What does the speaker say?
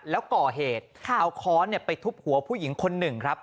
แล้วก่อเหตุเอาค้อนไปทุบหัวผู้หญิงคนหนึ่งครับ